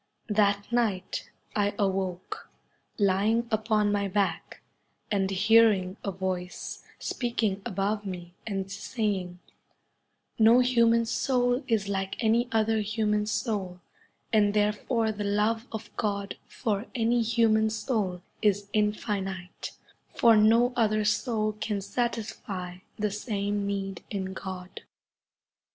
That night I awoke lying upon my back and hearing a voice speak ing above me and saying, ' No human soul is like any other human soul, and there fore the love of God for any human soul is infinite, for no other soul can satisfy the same need in God.'